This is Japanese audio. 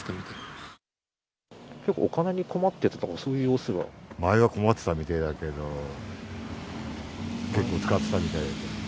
結構、お金に困ってたとか、前は困ってたみたいだけど、結構使ってたみたい。